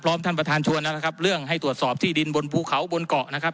ท่านประธานชวนแล้วนะครับเรื่องให้ตรวจสอบที่ดินบนภูเขาบนเกาะนะครับ